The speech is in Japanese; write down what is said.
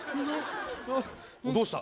どうした？